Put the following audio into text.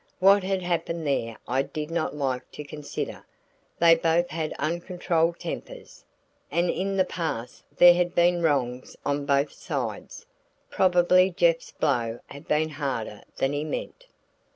What had happened there I did not like to consider; they both had uncontrolled tempers, and in the past there had been wrongs on both sides. Probably Jeff's blow had been harder than he meant.